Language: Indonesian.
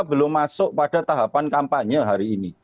belum masuk pada tahapan kampanye hari ini